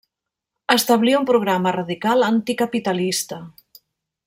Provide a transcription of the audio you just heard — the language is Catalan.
Establí un programa radical anticapitalista.